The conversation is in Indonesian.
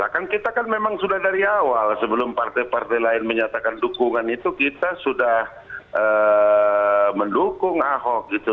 kan kita kan memang sudah dari awal sebelum partai partai lain menyatakan dukungan itu kita sudah mendukung ahok gitu